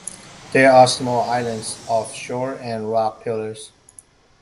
There are small islands off shore and rock pillars.